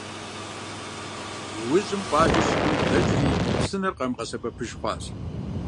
Иужьым, къуажэр щыгум къыдэкӏри, псынэр къамыгъэсэбэпыж хъуащ.